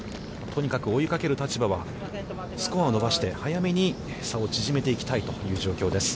とにかく追いかける立場は、スコアを伸ばして、早目に差を縮めていきたいという状況です。